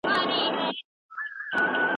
درې منفي دوه؛ يو پاته کېږي.